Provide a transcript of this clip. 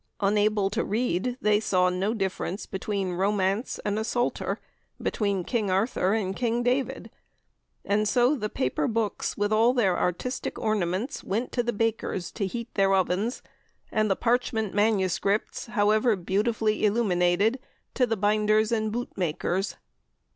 Unable to read, they saw no difference between romance and a psalter, between King Arthur and King David; and so the paper books with all their artistic ornaments went to the bakers to heat their ovens, and the parchment manuscripts, however beautifully illuminated, to the binders and boot makers.